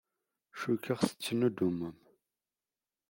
Cukkeɣ tettnuddumem.